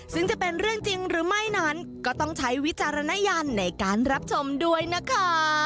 ซึ่งจะเป็นเรื่องจริงหรือไม่นั้นก็ต้องใช้วิจารณญาณในการรับชมด้วยนะคะ